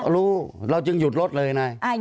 เราจึงหยุดรถเลยนะ